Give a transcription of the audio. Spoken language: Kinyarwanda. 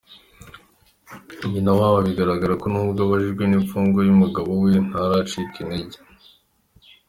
Nyina wabo, bigaragara ko, nubwo ababajwe n’ifungwa ry’umugabo we, ntaracika intege.